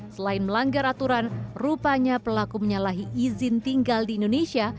selain melanggar aturan rupanya pelaku menyalahi izin tinggal di indonesia